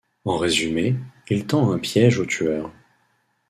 En résumé, il tend un piège au tueur.